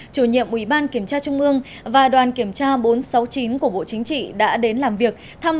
chủ nhiệm ủy ban kiểm tra trung ương và đoàn kiểm tra bốn trăm sáu mươi chín của bộ chính trị đã đến làm việc